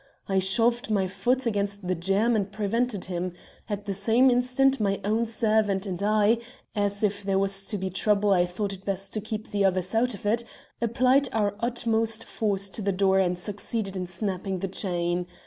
I shoved my foot against the jamb and prevented him. At the same instant my own servant and I as, if there was to be trouble, I thought it best to keep the others out of it applied our utmost force to the door and succeeded in snapping the chain.